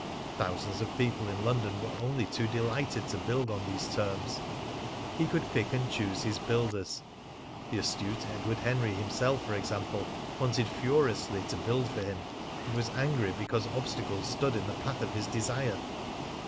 Thousands of people in London were only too delighted to build on these terms: he could pick and choose his builders. (The astute Edward Henry himself, for example, wanted furiously to build for him, and was angry because obstacles stood in the path of his desire.)